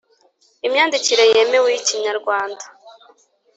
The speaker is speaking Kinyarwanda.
Imyandikire yemewe yi Kinyarwanda